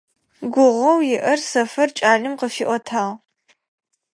Гугъоу иӀэр Сэфэр кӀалэм къыфиӀотагъ.